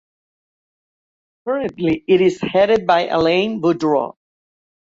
Currently, it is headed by Alain Boudreau.